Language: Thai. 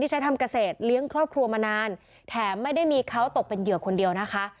ใช้ทำเกษตรเลี้ยงครอบครัวมานานแถมไม่ได้มีเขาตกเป็นเหยื่อคนเดียวนะคะ